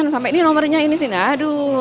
sampai ini nomernya ini sini aduh